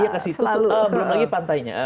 iya ke situ belum lagi pantainya